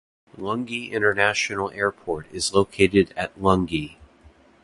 Lungi International Airport is located at Lungi.